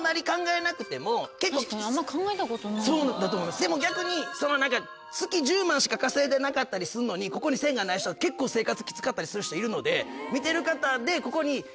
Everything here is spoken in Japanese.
でも逆に月１０万しか稼いでなかったりすんのにここに線がない人は結構生活きつかったりする人いるので見てる方で。